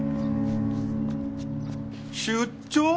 出張？